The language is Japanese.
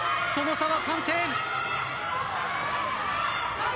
その差は３点。